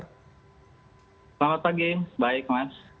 selamat pagi baik mas